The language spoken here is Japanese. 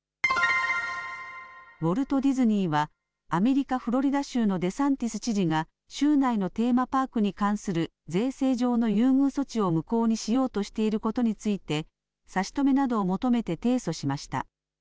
ウォルト・ディズニーはアメリカフロリダ州のデサンティス知事が州内のテーマパークに関する税制上の優遇措置を無効にしようとしていることについて差し止めなどを求めて提訴しました。